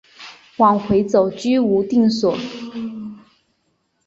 往回走居无定所